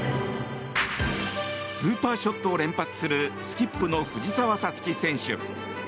スーパーショットを連発するスキップの藤澤五月選手。